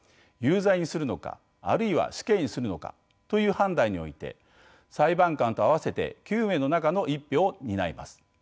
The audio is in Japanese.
有罪にするのかあるいは死刑にするのかという判断において裁判官と合わせて９名の中の１票を担います。